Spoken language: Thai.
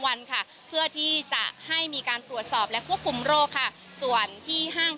วันค่ะเพื่อที่จะให้มีการตรวจสอบและควบคุมโรคค่ะส่วนที่ห้าง